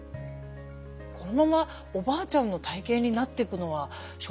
このままおばあちゃんの体形になっていくのはしょうがないだろうな。